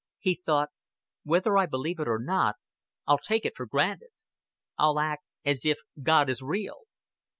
He thought: "Whether I believe or not, I'll take it for granted. I'll act as if God is real."